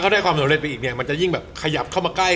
ได้ความสำเร็จไปอีกเนี่ยมันจะยิ่งแบบขยับเข้ามาใกล้